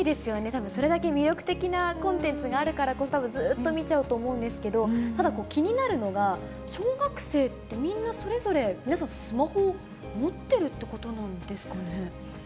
たぶんそれだけ魅力的なコンテンツがあるからこそ、たぶんずーっと見ちゃうと思うんですけど、ただ、気になるのが小学生って、みんなそれぞれ、皆さん、スマホを持ってるってことなんですかね？